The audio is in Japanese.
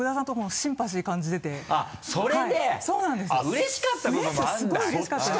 うれしかった？